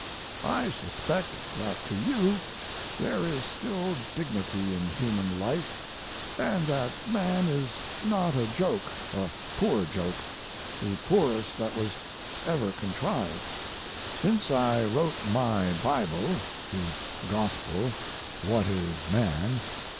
I suspect that to you there is still dignity in human life, & that man is not a joke a poor joke the poorest that was ever contrived. Since I wrote my Bible [The "Gospel," What is Man?